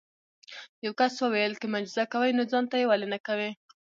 یو کس وویل که معجزه کوي نو ځان ته یې ولې نه کوې.